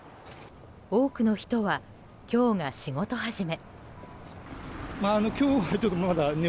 多くの人は今日が仕事始め。